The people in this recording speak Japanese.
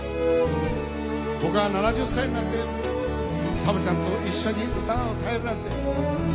僕は７０歳になってサブちゃんと一緒に歌が歌えるなんて最高だな。